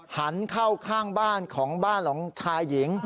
หันเข้าข้างบ้านของบ้านของชายหญิง